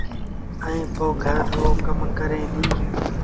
ائيٚݩ پو گھر رو ڪم ڪريݩ ديٚݩ۔